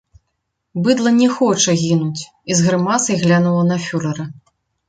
Быдла не хоча гінуць і з грымасай глянула на фюрэра.